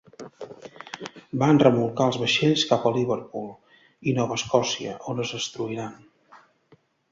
Van remolcar els vaixells cap a Liverpool i Nova Escòcia, on es destruiran.